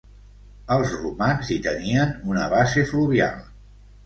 Els romans hi tenien una base fluvial.